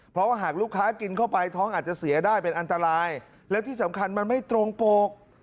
เพราะหากลูกค้ากินเข้าไปท้องอาจจะเสียได้เป็นอันตรายและที่สำคัญมันไม่ตรงปก